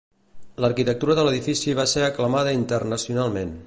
L'arquitectura de l'edifici va ser aclamada internacionalment.